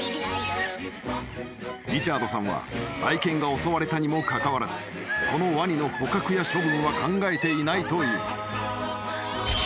［リチャードさんは愛犬が襲われたにもかかわらずこのワニの捕獲や処分は考えていないという］